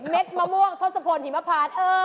เม็ดมะม่วงทสะพนหิมพัฒน์เออ